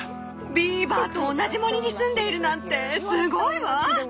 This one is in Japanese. ビーバーと同じ森に住んでいるなんてすごいわ！